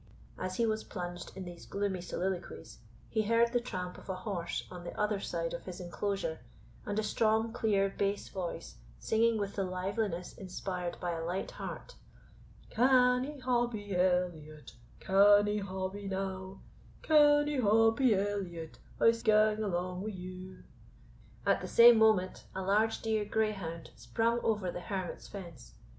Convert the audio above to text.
As he was plunged in these gloomy soliloquies, he heard the tramp of a horse on the other side of his enclosure, and a strong clear bass voice singing with the liveliness inspired by a light heart, Canny Hobbie Elliot, canny Hobbie now, Canny Hobbie Elliot, I'se gang alang wi' you. At the same moment, a large deer greyhound sprung over the hermit's fence.